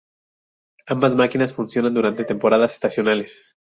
Ambas máquinas funcionan durante temporadas estacionales.